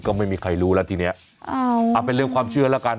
ก็ไม่มีใครรู้แล้วทีเนี้ยอ้าวเอาเป็นเรื่องความเชื่อแล้วกัน